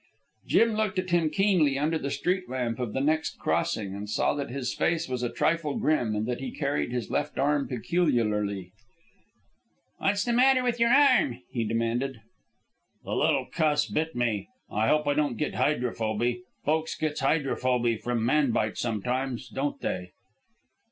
Jim looked at him keenly under the street lamp of the next crossing, and saw that his face was a trifle grim and that he carried his left arm peculiarly. "What's the matter with your arm?" he demanded. "The little cuss bit me. Hope I don't get hydrophoby. Folks gets hydrophoby from manbite sometimes, don't they?"